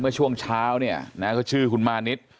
เมื่อช่วงเช้าเนี่ยนะเขาชื่อคุณมานิด